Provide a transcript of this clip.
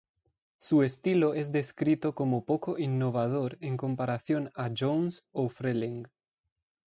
Su estilo es descrito como poco innovador en comparación a Jones o Freleng.